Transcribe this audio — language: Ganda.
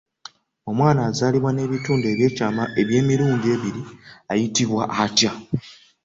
Omwana azaalibwa n'ebitundu by'ekyama eby'emirundi ebiri ayitibwa atya?